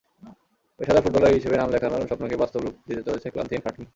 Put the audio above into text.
পেশাদার ফুটবলার হিসেবে নাম লেখানোর স্বপ্নকে বাস্তব রূপ দিতে চলছে ক্লান্তিহীন খাটুনি।